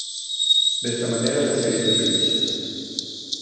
De esta manera la serie se "reinicia".